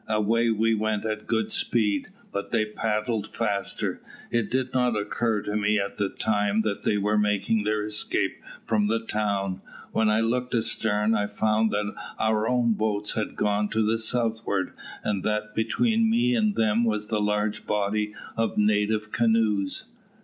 Away we went at good speed, but they paddled faster. It did not occur to me at the time that they were making their escape from the town. When I looked astern I found that our own boats had gone to the southward, and that between me and them was a large body of native canoes.